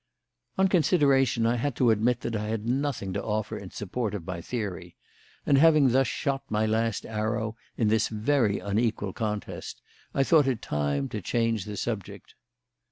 On consideration, I had to admit that I had nothing to offer in support of my theory; and having thus shot my last arrow in this very unequal contest, I thought it time to change the subject.